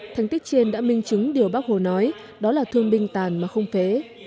thành tích trên đã minh chứng điều bác hồ nói đó là thương binh tàn mà không phế